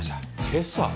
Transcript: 今朝！？